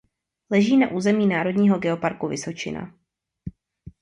Leží na území národního geoparku Vysočina.